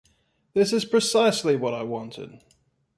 This is precisely what I wanted.